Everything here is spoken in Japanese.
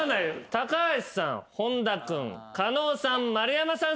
高橋さん本田君狩野さん丸山さん